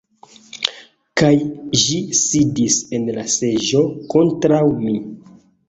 Kaj, ĝi sidis en la seĝo kontraŭ mi.